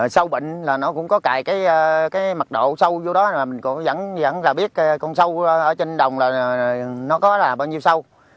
sâu bệnh là nó cũng có cài cái mật độ sâu vô đó là mình cũng vẫn là biết con sâu ở trên đồng là nó có là bao nhiêu sâu